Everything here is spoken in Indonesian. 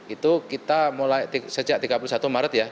itu kita mulai sejak tiga puluh satu maret ya